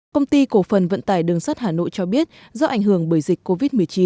công ty cổ phần vận tải đường sắt hà nội cho biết do ảnh hưởng bởi dịch covid một mươi chín